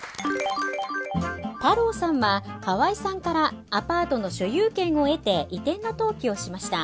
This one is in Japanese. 太郎さんは河井さんからアパートの所有権を得て移転の登記をしました。